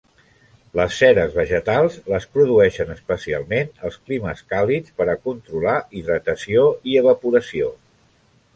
Les ceres vegetals les produeixen especialment els climes càlids per a controlar hidratació i evaporació.